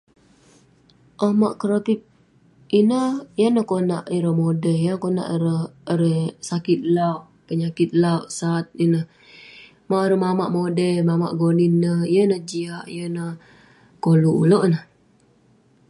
Amak kerapip ineh, yan neh konak ireh modai, yan konak ireh sakit lauk- penyakit lauk. Sat ineh. Mauk ireh modai mau ireh mamak gonin ineh, yeng ineh jiak. Yeng ineh koluk ulouk ineh.